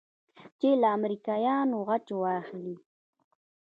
چې له امريکايانو غچ واخلې.